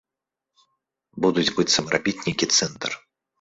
Будуць быццам рабіць нейкі цэнтр.